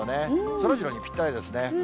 そらジローにぴったりですね。